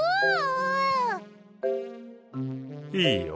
いいよ。